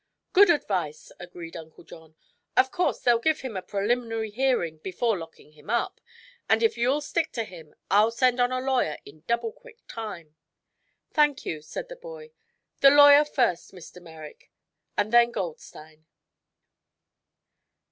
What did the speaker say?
"Good advice," agreed Uncle John. "Of course they'll give him a preliminary hearing before locking him up, and if you'll stick to him I'll send on a lawyer in double quick time." "Thank you," said the boy. "The lawyer first, Mr. Merrick, and then Goldstein."